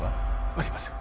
ありません